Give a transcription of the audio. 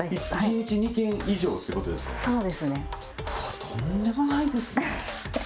とんでもないですね。